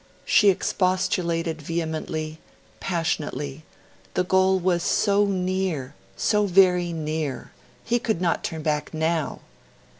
She expostulated vehemently, passionately; the goal was so near, so very near; he could not turn back now!